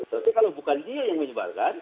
tapi kalau bukan dia yang menyebarkan